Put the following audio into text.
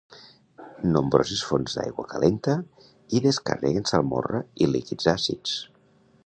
Nombroses fonts d’aigua calenta hi descarreguen salmorra i líquids àcids.